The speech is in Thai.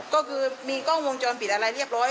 ก็คือมีกล้องวงจรปิดอะไรเรียบร้อย